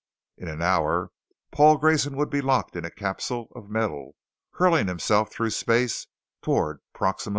In an hour, Paul Grayson would be locked in a capsule of metal hurling himself through space towards Proxima I.